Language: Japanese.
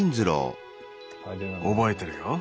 覚えてるよ。